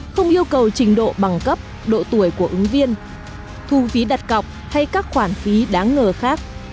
không yêu cầu trình độ bằng cấp độ tuổi của ứng viên thu phí đặt cọc hay các khoản phí đáng ngờ khác